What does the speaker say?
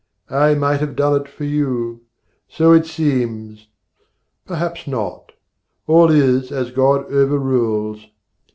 ' I might have done it for you. So it seems: Perhaps not. All is as God over rules.